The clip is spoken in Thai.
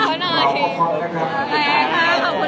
ขอบคุณค่ะ